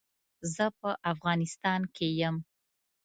زه په افغانيستان کې يم.